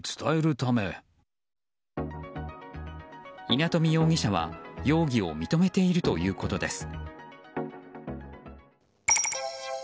稲富容疑者は容疑を認めているということです。